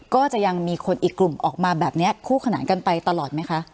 ก็จะมีคนอีกกลุ่มออกมาแบบนี้คู่ขนานกันไปตลอดไหมคะ